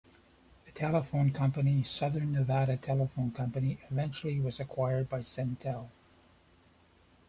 The telephone company, Southern Nevada Telephone Company, eventually was acquired by Centel.